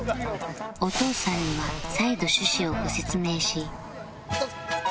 お父さんには再度趣旨をご説明し